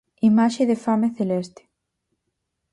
Imaxe de 'Fame Celeste'.